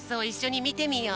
みてみよう！